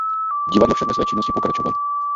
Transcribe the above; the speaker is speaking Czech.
Divadlo však ve své činnosti pokračovalo.